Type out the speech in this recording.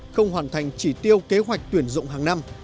không hoàn thành chỉ tiêu kế hoạch tuyển dụng hàng năm